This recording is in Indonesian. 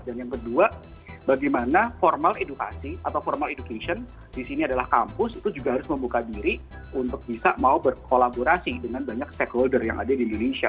dan yang kedua bagaimana formal edukasi atau formal education di sini adalah kampus itu juga harus membuka diri untuk bisa mau berkolaborasi dengan banyak stakeholder yang ada di indonesia